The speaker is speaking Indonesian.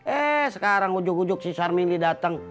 eh sekarang ujuk ujuk si sarmili dateng